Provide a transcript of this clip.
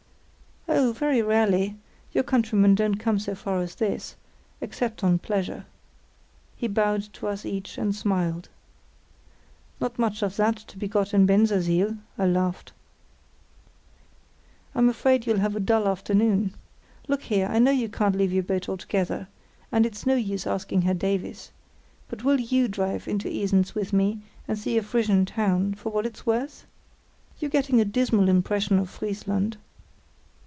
"Oh, very rarely; your countrymen don't come so far as this—except on pleasure." He bowed to us each and smiled. "Not much of that to be got in Bensersiel," I laughed. "I'm afraid you'll have a dull afternoon. Look here. I know you can't leave your boat altogether, and it's no use asking Herr Davies; but will you drive into Esens with me and see a Frisian town—for what it's worth? You're getting a dismal impression of Friesland."